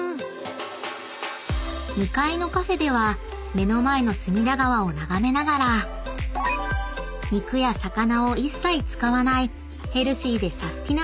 ［２階のカフェでは目の前の隅田川を眺めながら肉や魚を一切使わないヘルシーでサスティな！